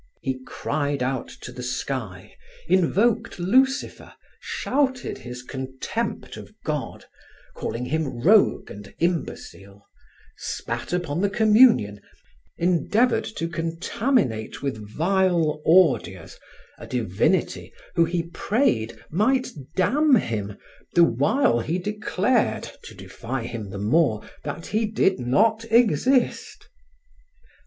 He cried out to the sky, invoked Lucifer, shouted his contempt of God, calling Him rogue and imbecile, spat upon the communion, endeavored to contaminate with vile ordures a Divinity who he prayed might damn him, the while he declared, to defy Him the more, that He did not exist.